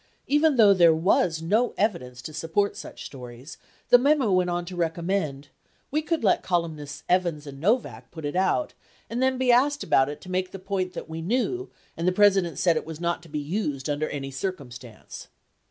74 Even though there Avas no evidence to support such stories, the memo went on to recommend, "we could let (columnists) Evans and Novak put it out and then be asked about it to make the point that we knew and the President said it was not to be used under any circumstance."